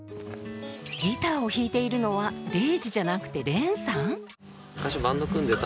ギターを弾いているのはレイジじゃなくて蓮さん？